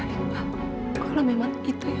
kita selalu bercanda padanya pak